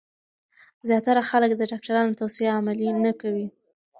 زیاتره خلک د ډاکټرانو توصیه عملي نه کوي.